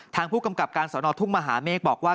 ทางผู้กำกับการสอนอทุ่งมหาเมฆบอกว่า